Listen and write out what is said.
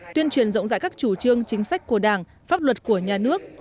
tuyên truyền rộng rãi các chủ trương chính sách của đảng pháp luật của nhà nước